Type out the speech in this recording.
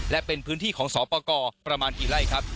และเป็นพื้นที่ของสอปกรประมาณกี่ไร่ครับ